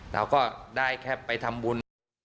เราก็ได้แค่ไปทำบุญ